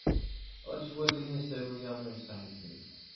Ɣas wali asaru-a ma iṣaḥ-ikem-id.